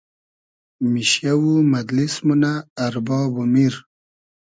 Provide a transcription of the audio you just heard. میشیۂ و مئدلیس مونۂ ارباب و میر